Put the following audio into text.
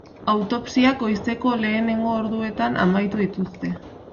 Autopsiak goizeko lehenengo orduetan amaitu dituzte.